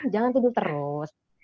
jangan tidur terus